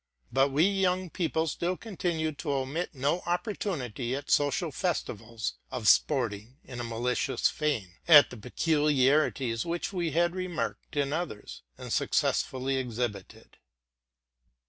But we young people still continued to omit no opportunity at social festi vals, of sporting, in a malicious vein, at the peculiarities which we had remarked in others, and successfully exhibited.